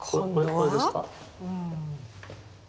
これですか？